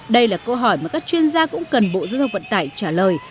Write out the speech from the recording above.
đây là câu hỏi mà các chuyên gia cũng cần bộ giao thông vận tải trả lời